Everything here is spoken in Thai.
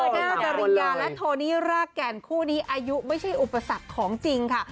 แก้วจริญญาและโทนี่รากแก่นคู่นี้อายุไม่ใช่อุปสรรคของจริงค่ะ